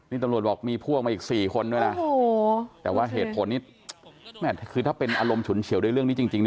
นี่ตำรวจบอกมีพวกมาอีก๔คนด้วยนะแต่ว่าเหตุผลนี้แม่คือถ้าเป็นอารมณ์ฉุนเฉียวด้วยเรื่องนี้จริงนะ